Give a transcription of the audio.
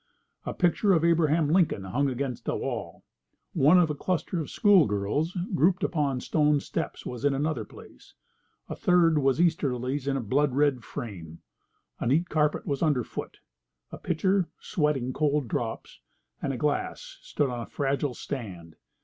A picture of Abraham Lincoln hung against a wall; one of a cluster of school girls grouped upon stone steps was in another place; a third was Easter lilies in a blood red frame. A neat carpet was under foot. A pitcher, sweating cold drops, and a glass stood on a fragile stand.